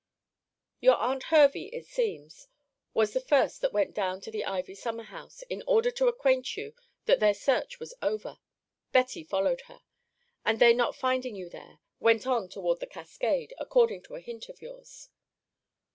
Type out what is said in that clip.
Your aunt Hervey, it seems, was the first that went down to the ivy summer house, in order to acquaint you that their search was over. Betty followed her; and they not finding you there, went on towards the cascade, according to a hint of yours.